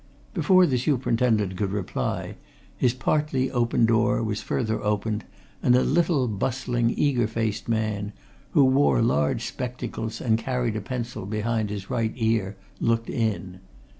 Before the superintendent could reply, his partly open door was further opened, and a little, bustling, eager faced man, who wore large spectacles and carried a pencil behind his right ear, looked in.